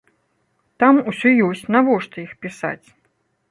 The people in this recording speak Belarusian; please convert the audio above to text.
Там усё ёсць, навошта іх пісаць?!